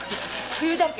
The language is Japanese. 冬だけ？